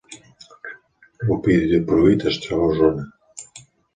Rupit i Pruit es troba a Osona